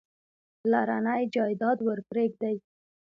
پلرنی جایداد ورپرېږدي.